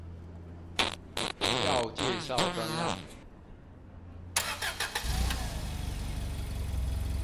要介紹專案